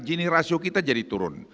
gini ratio kita jadi turun